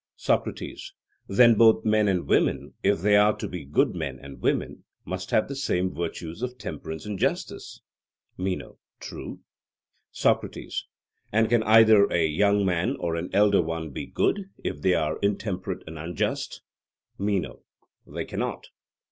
SOCRATES: Then both men and women, if they are to be good men and women, must have the same virtues of temperance and justice? MENO: True. SOCRATES: And can either a young man or an elder one be good, if they are intemperate and unjust? MENO: They cannot.